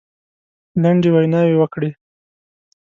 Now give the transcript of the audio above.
لنډې ویناوي وکړې.